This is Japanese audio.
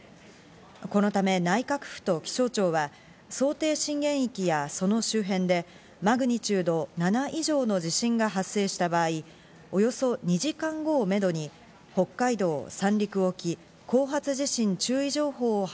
このため内閣府と気象庁は想定震源域やその周辺でマグニチュード７以上の地震が発生した場合、およそ２時間後をめどに、北海道・三陸沖後発